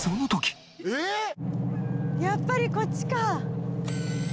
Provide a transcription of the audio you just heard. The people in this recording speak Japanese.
「やっぱりこっちか」